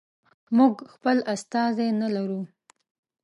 موږ خپل استازی نه لرو.